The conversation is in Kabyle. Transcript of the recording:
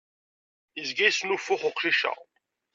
Izga yesnuffux uqcic-a.